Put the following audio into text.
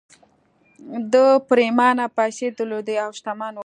ده پرېمانه پيسې درلودې او شتمن و